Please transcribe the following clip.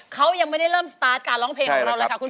เขายังไม่ได้เริ่มสตาร์ทการร้องเพลงของเราเลยค่ะคุณ